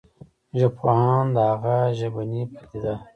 ژبپوهان د هغه ژبنې پديده